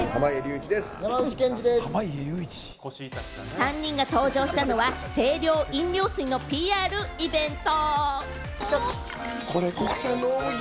３人が登場したのは、清涼飲料水のＰＲイベント。